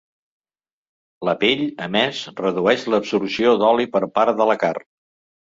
La pell, a més, redueix l’absorció d’oli per part de la carn.